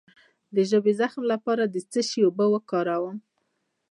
د ژبې د زخم لپاره د څه شي اوبه وکاروم؟